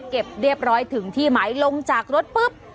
เก็บเรียบร้อยถึงที่หมายลงจากรถปุ๊บ